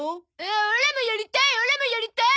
オラもやりたいオラもやりたい！